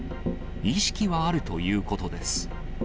意識はあるということです。